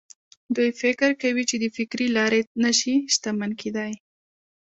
دوی فکر کوي چې د فکري لارې نه شي شتمن کېدای.